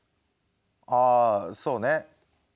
ああそうねうん。